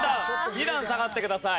２段下がってください。